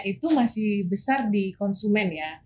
itu masih besar di konsumen ya